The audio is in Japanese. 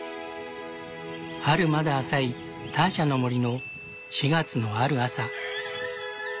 春まだ浅いターシャの森の４月のある朝。